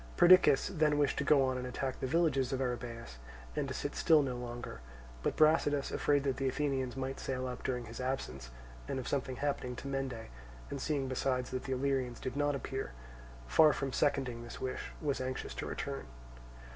Perdiccas then wished to go on and attack the villages of Arrhabaeus, and to sit still no longer; but Brasidas, afraid that the Athenians might sail up during his absence, and of something happening to Mende, and seeing besides that the Illyrians did not appear, far from seconding this wish was anxious to return.